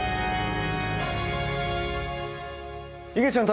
いげちゃん